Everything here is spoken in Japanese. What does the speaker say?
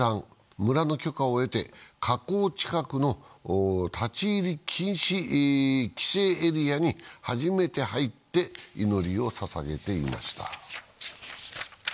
村の許可を得て、火口近くの立ち入り禁止規制エリアに初めて入って祈りを捧げていました。